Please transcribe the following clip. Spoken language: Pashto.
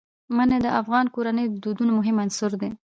منی د افغان کورنیو د دودونو مهم عنصر دی.